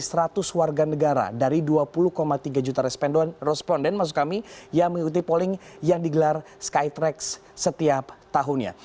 ada seratus warga negara dari dua puluh tiga juta responden maksud kami yang mengikuti polling yang digelar skytrax setiap tahunnya